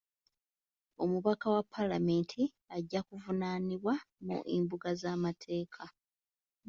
Omubaka wa paalamenti ajja kuvunaanibwa mu mbuga z'amateeka.